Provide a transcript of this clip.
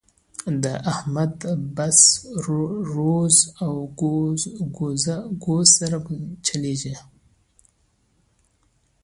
د احمد بس روز او ګوز سره چلېږي.